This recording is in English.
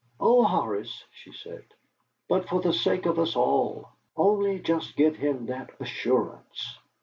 "Oh, Horace," she said; "but for the sake of us all! Only just give him that assurance."